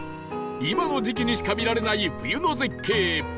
今の時期にしか見られない冬の絶景氷柱